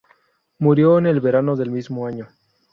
Murió en el verano del mismo año.